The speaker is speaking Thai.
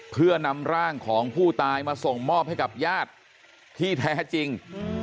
เพื่อนำร่างของผู้ตายมาส่งมอบให้กับญาติที่แท้จริง